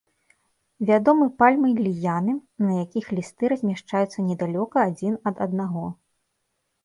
Вядомы пальмы-ліяны, на якіх лісты размяшчаюцца недалёка адзін ад аднаго.